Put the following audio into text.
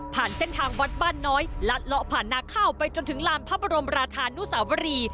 เส้นทางวัดบ้านน้อยลัดเลาะผ่านนาข้าวไปจนถึงลานพระบรมราชานุสาวรี